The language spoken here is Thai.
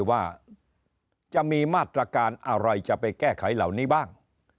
ว่าจะมีมาตรการอะไรจะไปแก้ไขเหล่านี้บ้าง